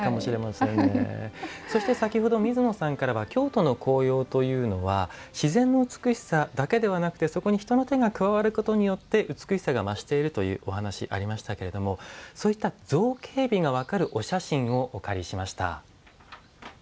先ほど水野さんからは京都の紅葉というのは自然の美しさだけではなくてそこに人の手が加わることによって美しさが増しているというお話ありましたけれどもそういった造形美が分かるお写真をお借りしました。